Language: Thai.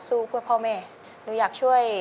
เพื่อพ่อแม่หนูอยากช่วย